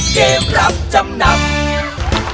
โอ้โฮเป็นเดี๋ยวเราต้องกลับไปมากขึ้น